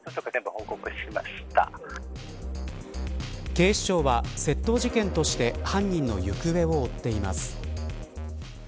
警視庁は、窃盗事件として犯人の行方を追っています。